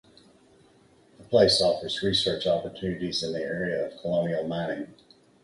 The place offers research opportunities in the area of colonial mining.